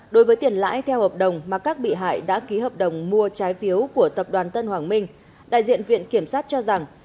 đối với tiền lãi theo hợp đồng mà các bị hại đã ký hợp đồng mua trái phiếu của tập đoàn tân hoàng minh đại diện viện kiểm sát cho rằng